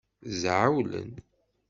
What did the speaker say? Zɛewlen.